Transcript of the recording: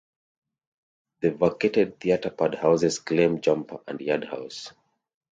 The vacated theater pad houses Claim Jumper and Yard House.